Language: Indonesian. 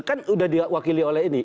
kan sudah diwakili oleh ini